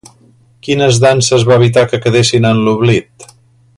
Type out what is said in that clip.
Quines danses va evitar que quedessin en l'oblit?